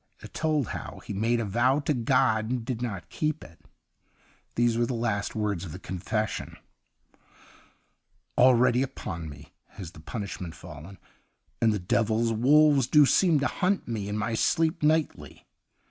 It told how he made a vow to God and did not keep it. These were the last words of the confession: ' Already upon me has the punish ment fallen, and the devil's wolves do seem to hunt me in my sleep nightly.